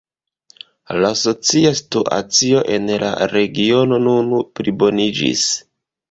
La socia situacio en la regiono nun pliboniĝis.